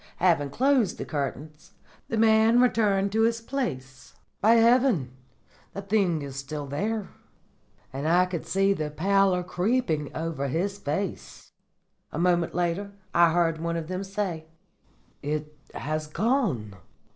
Having closed the curtains, the man returned to his place. "'By heaven!' he cried, 'the thing is still there!' And I could see the pallor creeping over his face. "A moment later I heard one of them say, 'It has gone.